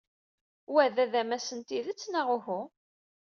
Wa d adamas n tidet neɣ uhu?